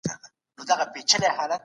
رښتينولي باور پيدا کوي.